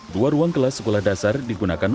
dua ruang kelas sekolah dasar digunakan